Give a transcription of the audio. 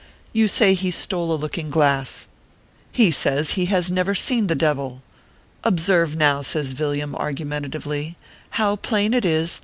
You say he stole a looking glass. He says 148 ORPHEUS C. KEBR PAPERS. he has never seen the devil. Observe now/ says Vil liam, argumentatively, "how plain it is